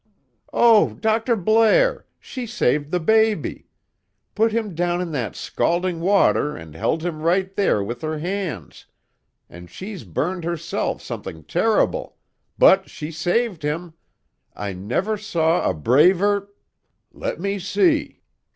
"Oh, Dr. Blair, she saved the baby! Put him down in that scalding water and held him right there with her hands, and she's burned herself something terrible, but she saved him! I never saw a braver " "Let me see."